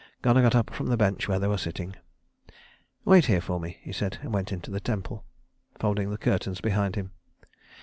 Gunnar got up from the bench where they were sitting. "Wait here for me," he said, and went into the temple, folding the curtains behind him.